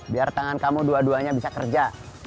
biar tangan kamu dua duanya bisa kerja